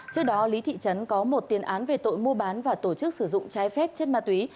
trước đó lý thị trấn có một tiền án về tội mua bán và tổ chức sử dụng trái phép chất ma túy